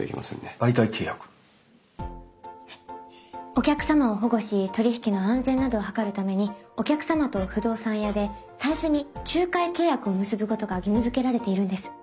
お客様を保護し取り引きの安全などを図るためにお客様と不動産屋で最初に仲介契約を結ぶことが義務付けられているんです。